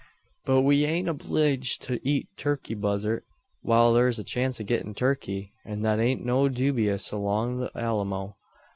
But we ain't obleeged to eet turkey buzzart, whar thur's a chance o' gettin' turkey; an thet ain't so dewbious along the Alamo.